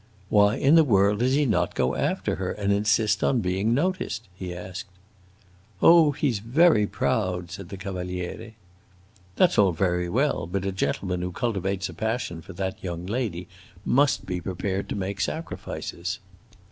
"Why in the world does he not go after her and insist on being noticed!" he asked. "Oh, he 's very proud!" said the Cavaliere. "That 's all very well, but a gentleman who cultivates a passion for that young lady must be prepared to make sacrifices."